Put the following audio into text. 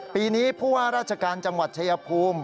ปีนี้ผู้ว่าราชการจังหวัดชายภูมิ